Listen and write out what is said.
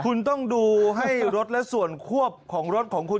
คุณต้องดูให้รถและส่วนควบของรถของคุณ